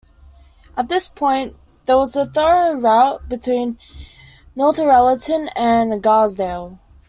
At this point, there was a through route between Northallerton and Garsdale.